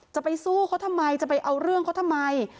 จะไปสู้เขาทำไมจะไปเอาเรื่องเขาทำไม